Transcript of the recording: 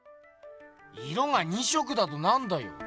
色が２色だとなんだよ？